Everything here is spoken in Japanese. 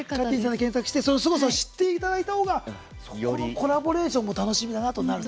検索してすごさを知っていただいたほうがそこのコラボレーションも楽しみだなとなると。